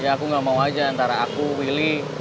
ya aku gak mau aja antara aku willy